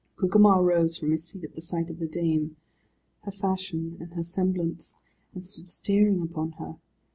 Gugemar rose from his seat at the sight of the dame, her fashion and her semblance, and stood staring upon her.